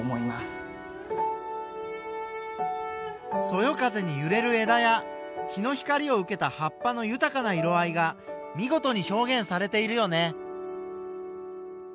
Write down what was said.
そよ風にゆれる枝や日の光を受けた葉っぱの豊かな色合いが見事に表現されているよね。